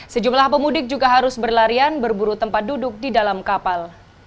sejumlah pemudik juga harus berlarian berburu tempat duduk di dalam kapal